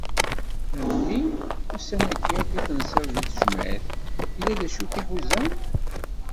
A mmi ussan-agi akk i tensiḍ deg tejmɛt yella d acu i k-iḥuzan?